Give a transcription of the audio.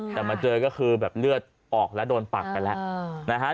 แต่เจอก็คือเลือดออกและโดนปักกันแล้ว